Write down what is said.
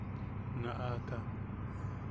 ¡Naʼaka!